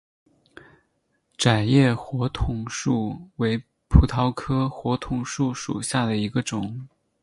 窄叶火筒树为葡萄科火筒树属下的一个种。